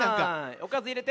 おかずいれて。